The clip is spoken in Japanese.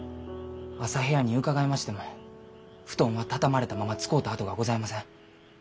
朝部屋に伺いましても布団は畳まれたまま使うた跡がございません。